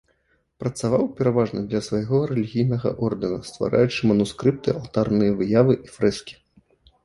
Працаваў, пераважна, для свайго рэлігійнага ордэна, ствараючы манускрыпты, алтарныя выявы і фрэскі.